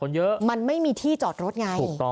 คนเยอะมันไม่มีที่จอดรถไง